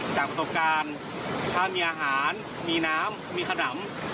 จากประสบการณ์ถ้ามีอาหารมีน้ำมีขนำ